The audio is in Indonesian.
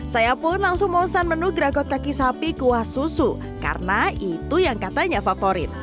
saya pun langsung memesan menu gragot kaki sapi kuah susu karena itu yang katanya favorit